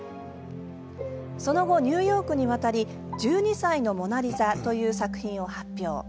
その後、ニューヨークに渡り「１２歳のモナ・リザ」という作品を発表。